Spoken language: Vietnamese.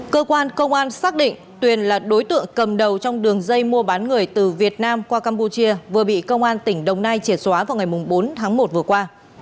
cơ quan công an xác định tuyền là đối tượng cầm đầu trong đường dây mua bán người từ việt nam qua campuchia vừa bị công an tỉnh đồng nai triệt xóa vào ngày bốn tháng một vừa qua